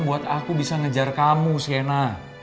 buat aku bisa ngejar kamu skena